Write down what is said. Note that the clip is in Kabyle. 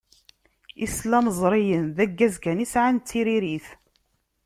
Islamẓriyen d aggaz kan i sɛan d tiririt.